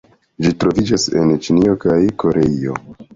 Ĝi troviĝas en Ĉinio kaj Koreio.